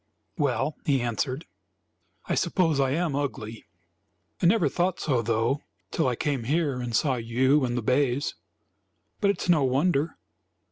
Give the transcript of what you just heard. "Well," he answered, "I suppose I am ugly. I never thought so, though, till I came here and saw you and the bays. But it is no wonder.